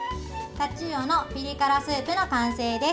タチウオのピリ辛スープの完成です。